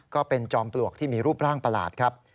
จอมปลวกที่มีรูปร่างประหลาดครับ